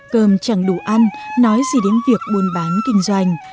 cơm chẳng đủ ăn nói gì đến việc buôn bán kinh doanh